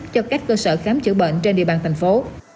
cho các cơ sở khám chữa bệnh trên địa bàn thành phố